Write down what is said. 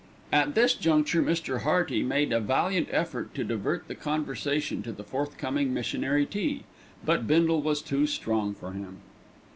At this juncture Mr. Hearty made a valiant effort to divert the conversation to the forthcoming missionary tea; but Bindle was too strong for him.